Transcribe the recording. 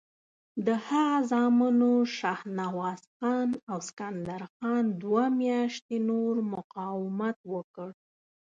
د هغه زامنو شهنواز خان او سکندر خان دوه میاشتې نور مقاومت وکړ.